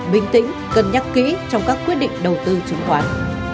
bình tĩnh cân nhắc kỹ trong các quyết định đầu tư chứng khoán